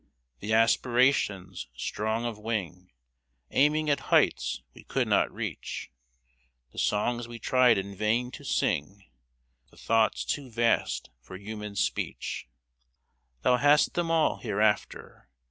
The aspirations, strong of wing, Aiming at heights we could not reach ; The songs we tried in vain to sing ; The thoughts too vast for human speech ; Thou hast them all, Hereafter